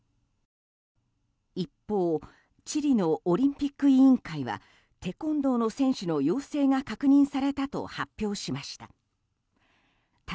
一方、チリのオリンピック委員会はテコンドーの選手の陽性が確認されたと発表しました。